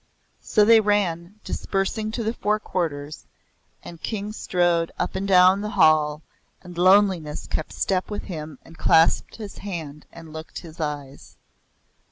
So they ran, dispersing to the Four Quarters, and King strode up and down the hall, and Loneliness kept step with him and clasped his hand and looked his eyes.